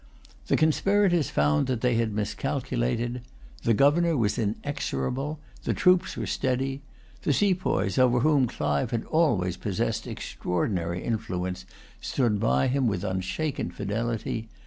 The conspirators found that they had miscalculated. The governor was inexorable. The troops were steady. The sepoys, over whom Clive had always possessed extraordinary influence, stood by him with unshaken fidelity.